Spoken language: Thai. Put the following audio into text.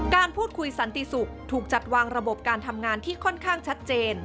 การพูดคุยสันติสุขถูกจัดวางระบบการทำงานที่ค่อนข้างชัดเจน